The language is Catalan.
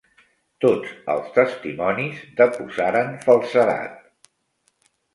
Tots els testimonis deposaren falsedat.